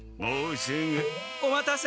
お待たせ。